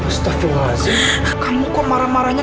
mustafil mazim kamu kok marah marahnya